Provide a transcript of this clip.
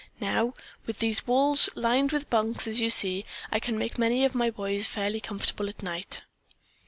Now with these walls lined with bunks, as you see, I can make many of the boys fairly comfortable at night."